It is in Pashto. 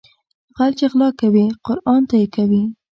غل چې غلا کوي قرآن ته يې کوي